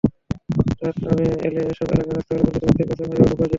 রাত নেমে এলে এসব এলাকার রাস্তাগুলো পরিচিত ব্যক্তির কাছেও হয়ে ওঠে অপরিচিত।